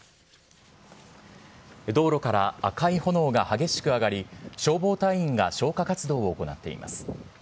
道路から赤い炎が激しく上がり、消防隊員が消火活動を行っています。